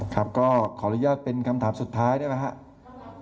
ครับก็ขออนุญาตเป็นคำถามสุดท้ายได้ไหมครับ